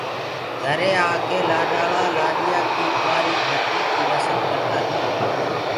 گھري آ ڪي لآڏآݪآ لآڏيآ ڪي ڪُنٚوآري ڀآتي ڪي رسم ڪردآ هينٚ۔